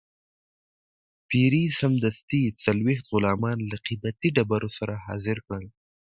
پیري سمدستي څلوېښت غلامان له قیمتي ډبرو سره حاضر کړل.